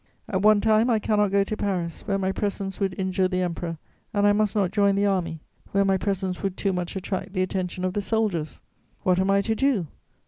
At one time I cannot go to Paris, where my presence would injure the Emperor, and I must not join the army, where my presence would too much attract the attention of the soldiers. What am I to do?